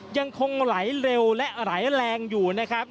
ยังคงไหลเร็วและไหลแรงอยู่นะครับ